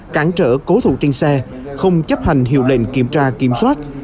cản trở cố thủ trên xe không chấp hành hiệu lệnh kiểm tra kiểm soát